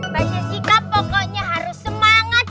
mbak jessica pokoknya harus semangat